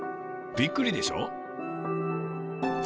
びっくりでしょ？